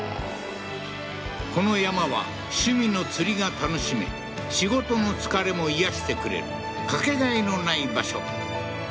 この山は趣味の釣りが楽しめ仕事の疲れも癒やしてくれるかけがえのない場所